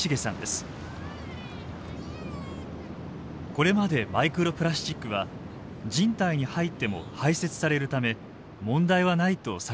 これまでマイクロプラスチックは人体に入っても排せつされるため問題はないとされてきました。